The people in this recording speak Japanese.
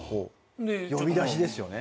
呼び出しですよね。